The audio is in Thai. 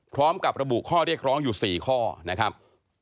พร้อมกับระบุข้อเรียกร้องอยู่๔ข้อนะครับ